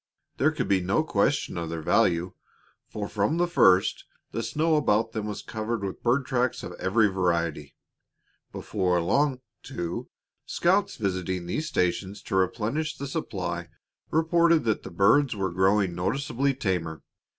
There could be no question of their value, for from the first the snow about them was covered with bird tracks of every variety. Before long, too, scouts visiting these stations to replenish the supply reported that the birds were growing noticeably tamer.